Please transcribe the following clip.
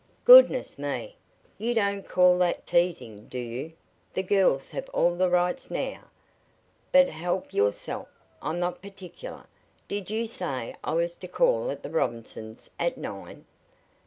"Goodness me! You don't call that teasing, do you? The girls have all the rights now. But help yourself! I'm not particular. Did you say I was to call at the Robinsons' at nine?"